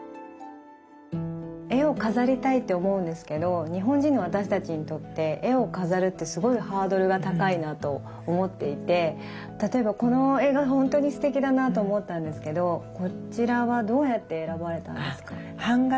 絵を飾りたいって思うんですけど日本人の私たちにとって絵を飾るってすごいハードルが高いなと思っていて例えばこの絵が本当にすてきだなと思ったんですけどこちらはどうやって選ばれたんですか？